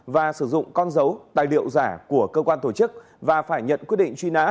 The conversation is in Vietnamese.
và sử dụng con dấu tài liệu giả của cơ quan tổ chức và phải nhận quyết định truy nã